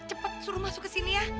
cepet suruh masuk kesini ya